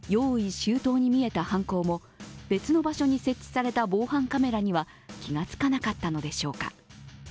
周到に見えた犯行も別の場所に設置された防犯カメラには気がつかなかったのでしょうか。